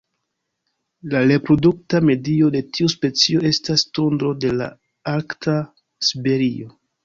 La reprodukta medio de tiu specio estas tundro de arkta Siberio.